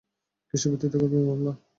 কিসের ভিত্তিতে করবে মামলা?